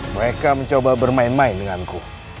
mereka mencoba bermain main denganku